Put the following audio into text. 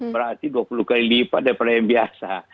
berarti dua puluh kali lipat daripada yang biasa